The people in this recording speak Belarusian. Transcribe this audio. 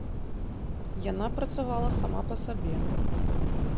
Яна працавала сама па сабе.